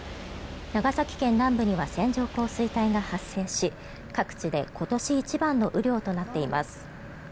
長崎県南部には線状降水帯が発生し各地で今年一番の雨量となっています。